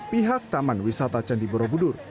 pihak taman wisata candi borobudur